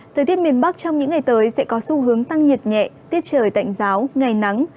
thời tiết miền bắc trong những ngày tới sẽ có xu hướng tăng nhiệt nhẹ tiết trời tạnh giáo ngày nắng